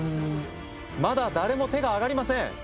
まだ誰も手が挙がりません